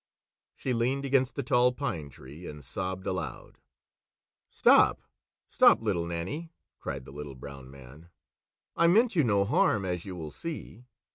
She leaned against the Tall Pine Tree and sobbed aloud. "Stop, stop, Little Nannie!" cried the Little Brown Man, "I meant you no harm, as you will see.